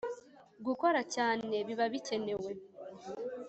gukora cyane biba bikenewe.